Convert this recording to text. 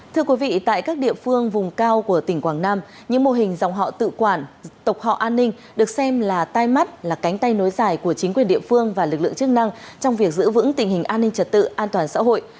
thưa quý vị tại các địa phương vùng cao của tỉnh quảng nam những mô hình dòng họ tự quản tộc họ an ninh được xem là tai mắt là cánh tay nối dài của chính quyền địa phương và lực lượng chức năng trong việc giữ vững tình hình an ninh trật tự an toàn xã hội